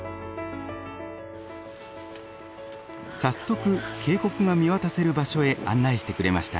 早速渓谷が見渡せる場所へ案内してくれました。